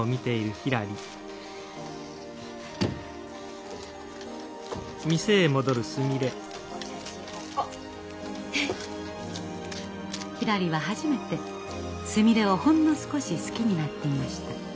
ひらりは初めてすみれをほんの少し好きになっていました。